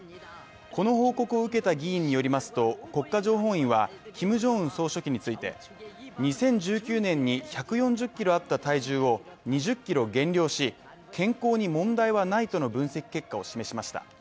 この報告を受けた議員によりますと、国家情報院はキム・ジョンウン総書記について２０１９年に１４０ｋｇあった体重を２０ｋｇ減量し、健康に問題はないとの分析結果を示しました。